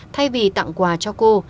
thay vì tặng quà cho cô